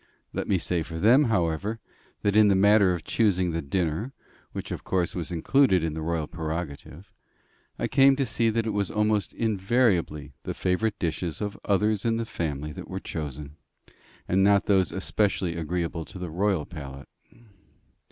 Let me say for them, however, that in the matter of choosing the dinner, which of course was included in the royal prerogative, I came to see that it was almost invariably the favourite dishes of others of the family that were chosen, and not those especially agreeable to the royal palate.